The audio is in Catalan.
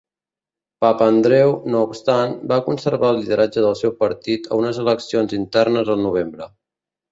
Papandreou, no obstant, va conservar el lideratge del seu partit a unes eleccions internes el novembre.